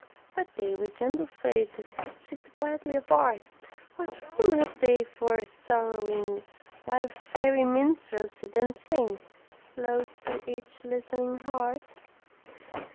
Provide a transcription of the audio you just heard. But they with gentle faces Sit quietly apart; What room have they for sorrowing While fairy minstrels sit and sing Close to each listening heart?